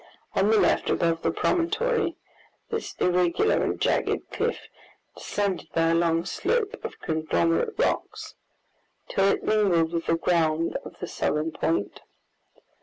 On the left, above the promontory, this irregular and jagged cliff descended by a long slope of conglomerated rocks till it mingled with the ground of the southern point.